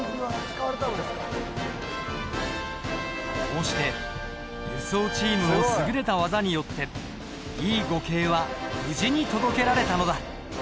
こうして輸送チームの優れた技によってＥ５系は無事に届けられたのだ。